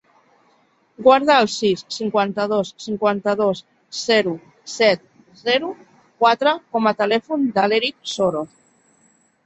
Guarda el sis, cinquanta-dos, cinquanta-dos, zero, set, zero, quatre com a telèfon de l'Erik Soro.